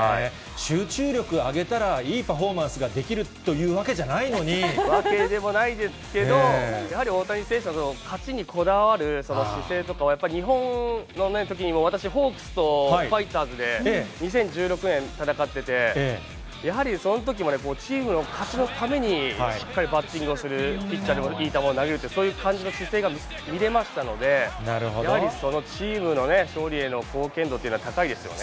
集中力上げたら、いいパフォーマンスができるというわけじゃないわけでもないですけど、やはり大谷選手、勝ちにこだわる姿勢とかは、やっぱ日本のときにも、私、ホークスとファイターズで、２０１６年、戦ってて、やはりそのときもね、チームの勝ちのために、しっかりバッティングをする、ピッチャーでもいい球を投げるという、そういう感じの姿勢が見れましたので、やはりそのチームのね、勝利への貢献度というのは、高いですよね。